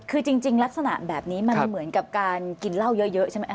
คือจริงลักษณะแบบนี้มันเหมือนกับการกินเหล้าเยอะใช่ไหม